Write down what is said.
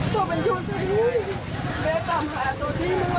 มันมีชอบมาเยอะจังนี้เนอะ